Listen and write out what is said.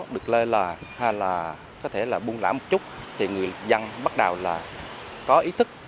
hoặc là có thể là buông lã một chút thì người dân bắt đầu là có ý thức